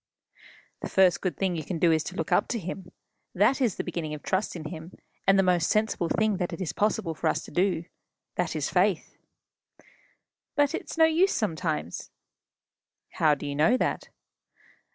"The first good thing you can do is to look up to him. That is the beginning of trust in him, and the most sensible thing that it is possible for us to do. That is faith." "But it's no use sometimes." "How do you know that?"